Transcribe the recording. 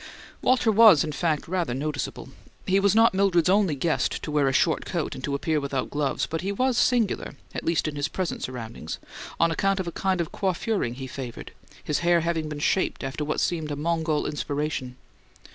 Walter was, in fact, rather noticeable. He was not Mildred's only guest to wear a short coat and to appear without gloves; but he was singular (at least in his present surroundings) on account of a kind of coiffuring he favoured, his hair having been shaped after what seemed a Mongol inspiration.